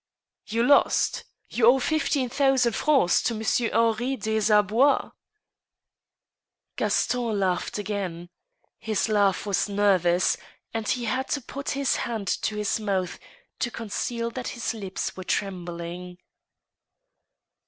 '* You lost ?... you owe fifteen thousand francs to Monsieur Henri des Arbois ?" Gaston laughed again. His laugh was nervous, and he had to put his hand to his mouth to conceal that his lips were trembling.